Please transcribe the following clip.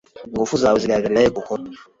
Ingufu zawe zigaragarirahe koko